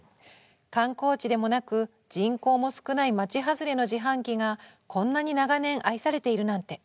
「観光地でもなく人口も少ない町外れの自販機がこんなに長年愛されているなんて。